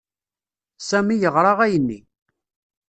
Sami yeɣra ayenni.